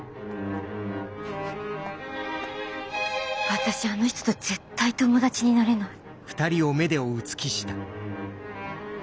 私あの人と絶対友達になれない。